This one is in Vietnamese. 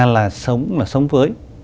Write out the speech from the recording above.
người ta là sống với